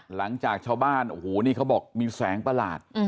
หลังจากชาวบ้านโอ้โหนี่เขาบอกมีแสงประหลาด